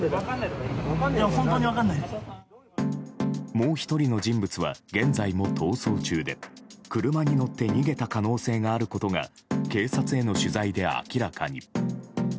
もう１人の人物は現在も逃走中で車に乗って逃げた可能性があることが警察への取材で明らかに。